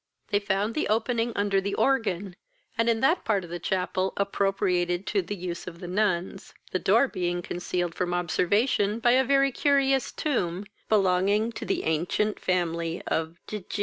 They found the opening under the organ, and in that part of the chapel appropriated to the use of the nuns, the door being concealed from observation by a very curious tomb, belonging to the ancient family of De G